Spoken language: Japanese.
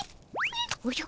おじゃ。